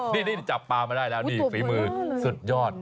นี่จับปลามาได้แล้วนี่ฝีมือสุดยอด